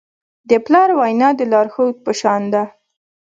د پلار وینا د لارښود په شان ده.